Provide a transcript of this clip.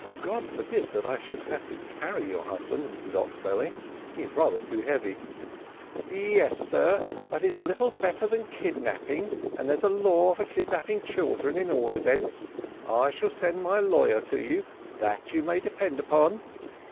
"God forbid that I should have to carry your husband, Mrs Oxbelly; he is rather too heavy." "Yes, sir, but it's little better than kidnapping, and there's a law for kidnapping children at all events. I shall send my lawyer to you, that you may depend upon."